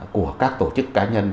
của các tổ chức cá nhân